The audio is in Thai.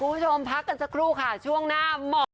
คุณผู้ชมพักกันสักครู่ค่ะช่วงหน้าเหมาะ